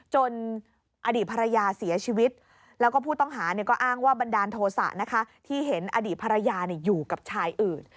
อดีตภรรยาเสียชีวิตแล้วก็ผู้ต้องหาก็อ้างว่าบันดาลโทษะนะคะที่เห็นอดีตภรรยาอยู่กับชายอื่น